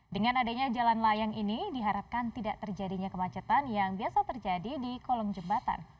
dengan adanya jalan layang ini diharapkan tidak terjadinya kemacetan yang biasa terjadi di kolong jembatan